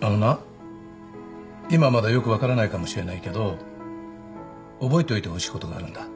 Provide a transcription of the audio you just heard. あのな今はまだよく分からないかもしれないけど覚えておいてほしいことがあるんだ。